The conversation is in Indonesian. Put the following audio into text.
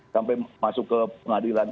sampai masuk ke pengadilan